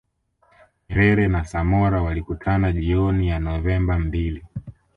Nyerere na Samora walikutana jioni ya Novemba mbili